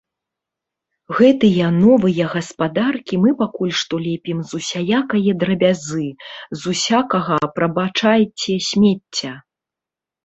Гэтыя новыя гаспадаркі мы пакуль што лепім з усякае драбязы, з усякага, прабачайце, смецця.